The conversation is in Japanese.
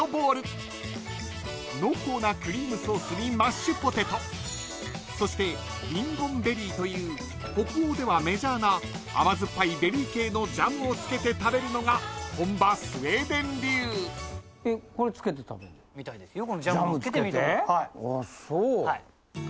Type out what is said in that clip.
［濃厚なクリームソースにマッシュポテトそしてリンゴンベリーという北欧ではメジャーな甘酸っぱいベリー系のジャムを付けて食べるのが本場スウェーデン流］みたいですよ。